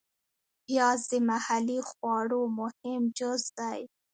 پیاز د محلي خواړو مهم جز دی